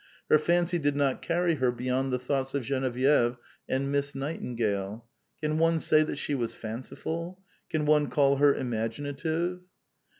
Her fancy did not carr}* her beyond the thoughts of Genevieve and Miss Nightingale. Can one say that she was fanciful ? Can one call her imaginative